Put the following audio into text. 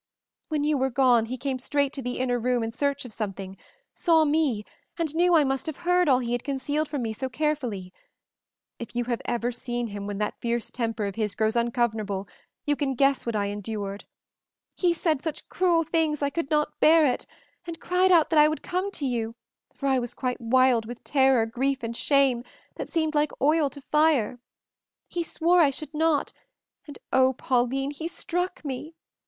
"When you were gone he came straight to the inner room in search of something, saw me, and knew I must have heard all he had concealed from me so carefully. If you have ever seen him when that fierce temper of his grows ungovernable, you can guess what I endured. He said such cruel things I could not bear it, and cried out that I would come to you, for I was quite wild with terror, grief, and shame, that seemed like oil to fire. He swore I should not, and oh, Pauline, he struck me!